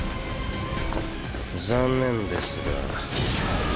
残念ですが。